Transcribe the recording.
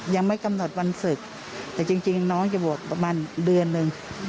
ยังไม่กำหนดวันศึกแต่จริงน้องจะบวชประมาณเดือนหนึ่ง